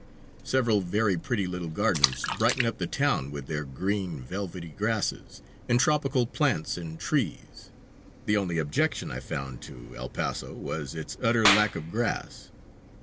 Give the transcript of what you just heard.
Several very pretty little gardens brighten up the town with their green, velvety grasses and tropical plants and trees. The only objection I found to El Paso was its utter lack of grass.